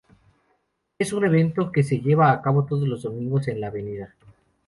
Es un evento que se lleva a cabo todos los domingos en la Av.